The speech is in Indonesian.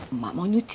emak mau nyuci